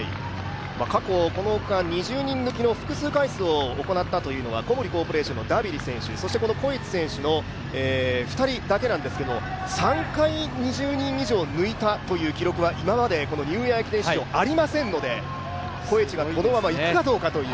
過去、この区間２０人抜きの複数回数行ったのは小森コーポレーションのダビリ選手、コエチ選手の２人だけなんですけれども、３回、２０人以上抜いたという記録は今までニューイヤー駅伝史上ありませんのでコエチがこのままいくかという。